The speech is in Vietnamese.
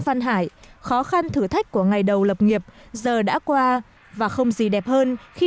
văn hải khó khăn thử thách của ngày đầu lập nghiệp giờ đã qua và không gì đẹp hơn khi